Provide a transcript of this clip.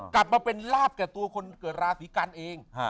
กลับมาเป็นลาบแก่ตัวคนเกิดราศีกันเอง